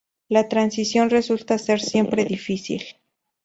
La transición resulta ser siempre difícil.